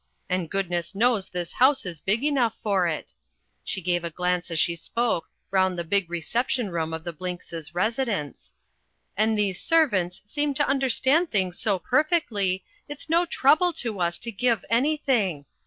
And goodness knows this house is big enough for it" she gave a glance as she spoke round the big reception room of the Blinkses' residence "and these servants seem to understand things so perfectly it's no trouble to us to give anything.